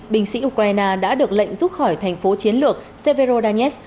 binh sĩ ukraine đã được lệnh rút khỏi thành phố chiến lược severodonets